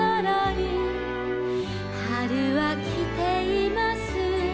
「はるはきています」